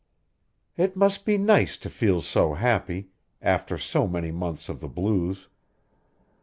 "It must be nice to feel so happy, after so many months of the blues."